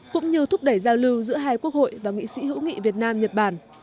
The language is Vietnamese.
cũng như thúc đẩy giao lưu giữa hai quốc hội và nghị sĩ hữu nghị việt nam nhật bản